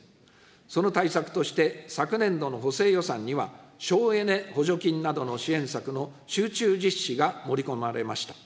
その対策として、昨年度の補正予算には、省エネ補助金などの支援策の集中実施が盛り込まれました。